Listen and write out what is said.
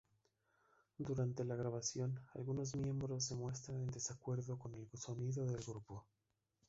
Durante la grabación, algunos miembros se muestran en desacuerdo con el sonido del grupo.